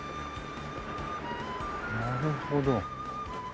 なるほど。